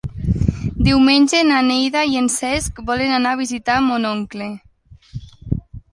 Diumenge na Neida i en Cesc volen anar a visitar mon oncle.